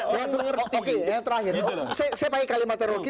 oke yang terakhir saya pakai kalimatnya roky